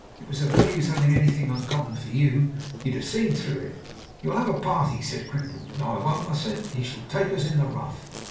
It was of no use having anything uncommon for you. You'd have seen through it. "You'll have a party?" said Crimple. "No, I won't," I said, "he shall take us in the rough!"